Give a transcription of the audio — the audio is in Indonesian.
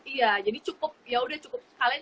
iya jadi cukup yaudah cukup sekalian